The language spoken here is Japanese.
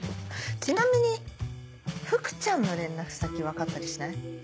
ちなみに福ちゃんの連絡先分かったりしない？